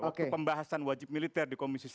waktu pembahasan wajib militer di komisi satu